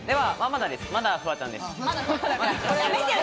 まだフワちゃんです。